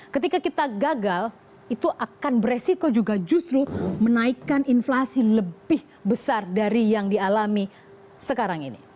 ketika kita gagal itu akan beresiko juga justru menaikkan inflasi lebih besar dari yang dialami sekarang ini